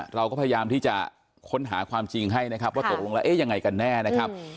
เราก็พยายามที่จะค้นหาความจริงให้นะครับว่าตกลงแล้วเอ๊ะยังไงกันแน่นะครับ